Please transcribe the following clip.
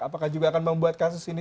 apakah juga akan membuat kasus ini